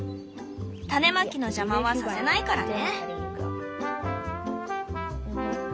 種まきの邪魔はさせないからね。